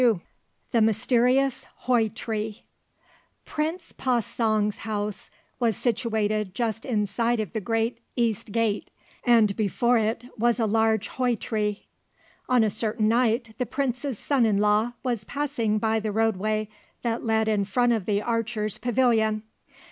LII THE MYSTERIOUS HOI TREE Prince Pa song's house was situated just inside of the great East Gate, and before it was a large Hoi tree. On a certain night the Prince's son in law was passing by the roadway that led in front of the archers' pavilion.